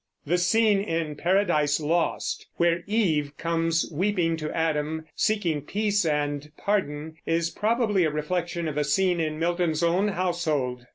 The scene in Paradise Lost, where Eve comes weeping to Adam, seeking peace and pardon, is probably a reflection of a scene in Milton's own household.